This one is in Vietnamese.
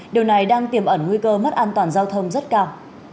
điều này đang tiềm ẩn nguy cơ mất an toàn giao thông rất cao